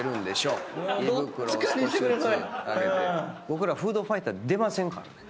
僕らフードファイトは出ませんからね。